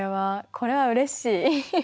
これはうれしい！